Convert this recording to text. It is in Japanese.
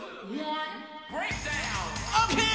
ＯＫ！